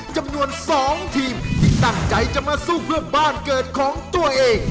จำนวน๒ทีมที่ตั้งใจจะมาสู้เพื่อบ้านเกิดของตัวเอง